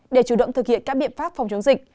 để chủ động thực hiện các biện pháp phòng chống dịch